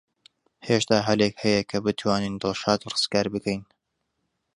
هێشتا هەلێک هەیە کە بتوانین دڵشاد ڕزگار بکەین.